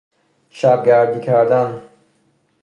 شبگردی کردن